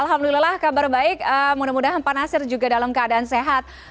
alhamdulillah kabar baik mudah mudahan pak nasir juga dalam keadaan sehat